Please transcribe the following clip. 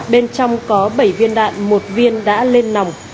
bên trong có bảy viên đạn một viên đã lên nòng